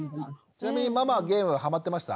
ちなみにママはゲームハマってました？